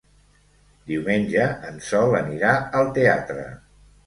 Diumenge en Sol anirà al teatre.